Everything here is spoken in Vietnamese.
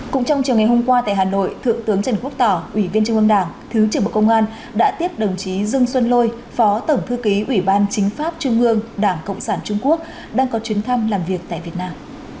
cũng trong chiều ngày hôm qua tại hà nội thượng tướng trần quốc tỏ ủy viên trung ương đảng thứ trưởng bộ công an đã tiếp đồng chí dương xuân lôi phó tổng thư ký ủy ban chính pháp trung ương đảng cộng sản trung quốc đang có chuyến thăm làm việc tại việt nam